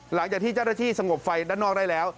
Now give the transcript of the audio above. หลังจากที่เจ้าหน้าที่สงบไฟด้านนอกได้แล้ว